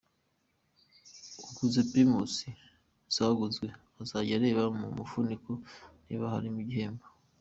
Uguze Primus zavuzwe, azajya areba mu mufuniko niba harimo igihembo.